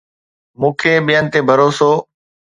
مون کي ٻين تي ڀروسو